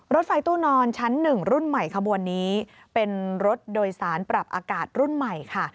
รถไฟตู้นอนชั้น๑รุ่นใหม่ขบวนนี้เป็นรถโดยสารปรับอากาศรุ่นใหม่ค่ะ